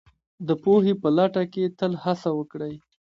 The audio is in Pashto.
د پوهې په لټه کې تل هڅه وکړئ